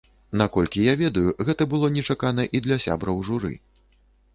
Наколькі я ведаю, гэта было нечакана і для сябраў журы.